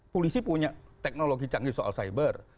polisi punya teknologi canggih soal cyber